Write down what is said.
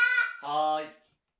はい。